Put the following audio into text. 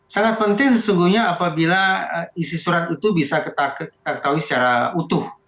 sangat penting sesungguhnya apabila isi surat itu bisa kita ketahui secara utuh